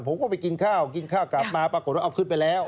ผมก็ไปกินข้าวกินข้าวกลับมาปรากฏว่าเอาขึ้นไปแล้ว